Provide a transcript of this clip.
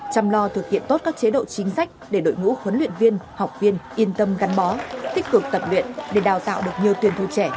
chăm lo thực hiện tốt các chế độ chính sách để đội ngũ huấn luyện viên học viên yên tâm gắn bó tích cực tập luyện để đào tạo được nhiều tuyển thủ trẻ